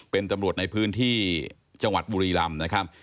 เป็นตำรวจในพื้นที่จังหวัดบุรีรำนะครับ